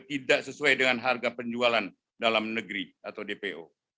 tidak sesuai dengan harga penjualan dalam negeri atau dpo